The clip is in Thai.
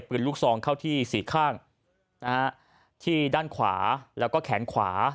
ปืนลูกซองเข้าที่สี่ข้างนะฮะที่ด้านขวาแล้วก็แขนขวา